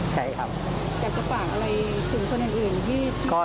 ใช่ครับ